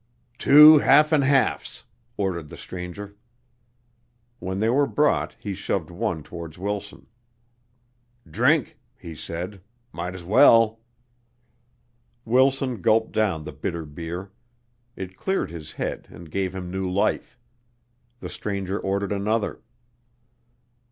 "Two half and halfs," ordered the stranger. When they were brought, he shoved one towards Wilson. "Drink," he said. "Might's well." Wilson gulped down the bitter beer. It cleared his head and gave him new life. The stranger ordered another.